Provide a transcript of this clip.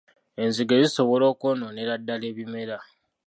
Enzige zisobola okwonoonera ddala ebimera.